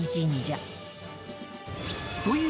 という